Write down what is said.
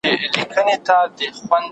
ایا بهرني سوداګر جلغوزي اخلي؟